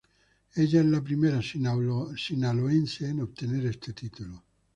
Ella es la primera Sinaloense en obtener este título.